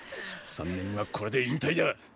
３年はこれで引退だ。